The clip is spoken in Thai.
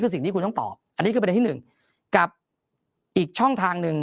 คือสิ่งที่คุณต้องตอบอันนี้ก็เป็นที่๑กับอีกช่องทางหนึ่ง